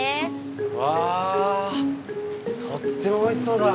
わぁとってもおいしそうだ！